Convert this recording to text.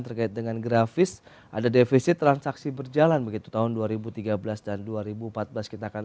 terkait dengan grafis ada defisit transaksi berjalan begitu tahun dua ribu tiga belas dan dua ribu empat belas kita akan